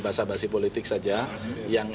basa basi politik saja yang